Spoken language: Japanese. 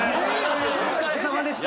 お疲れさまです。